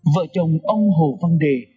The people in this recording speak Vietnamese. vợ chồng ông hồ văn đề